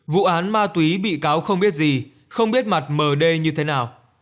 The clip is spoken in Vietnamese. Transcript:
vụ án ma túy bị cáo không biết gì không biết mặt m đê như thế nào